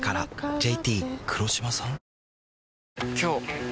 ＪＴ黒島さん？